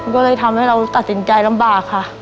ก็เลยทำให้เราตัดสินใจลำบากค่ะ